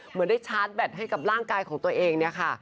เหมือนได้ชาร์จแบตให้กับร่างกายของตัวเองเนี่ยค่ะ